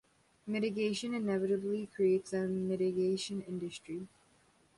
Mitigation inevitably creates a "mitigation industry".